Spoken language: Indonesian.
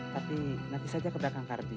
tapi nanti saja keberangkan kardi